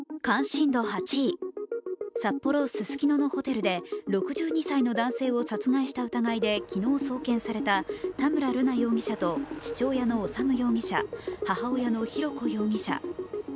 札幌・ススキノのホテルで６２歳の男性を殺害した疑いで昨日送検された田村瑠奈容疑者と父親の修容疑者、母親の浩子容疑者。